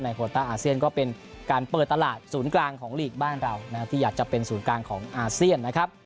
โคต้าอาเซียนก็เป็นการเปิดตลาดศูนย์กลางของลีกบ้านเรานะครับที่อยากจะเป็นศูนย์กลางของอาเซียนนะครับ